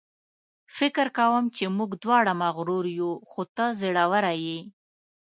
فکر کوم چې موږ دواړه مغرور یو، خو ته زړوره یې.